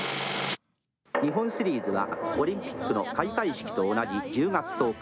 日本シリーズは、オリンピックの開会式と同じ１０月１０日。